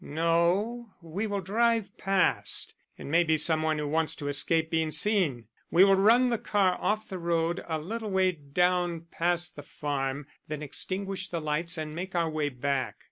"No, we will drive past. It may be some one who wants to escape being seen. We will run the car off the road a little way down past the farm, then extinguish the lights and make our way back."